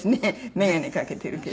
眼鏡かけてるけど。